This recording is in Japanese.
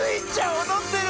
おどってる！